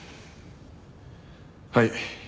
はい。